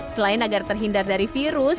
selain agar terhindar dari virus